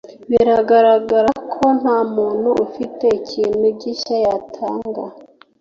Biragaragara ko ntamuntu ufite ikintu gishya yatanga